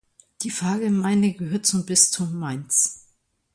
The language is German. Die Pfarrgemeinde gehört zum Bistum Mainz.